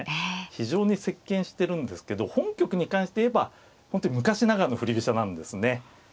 非常に席けんしてるんですけど本局に関して言えば本当に昔ながらの振り飛車なんですね。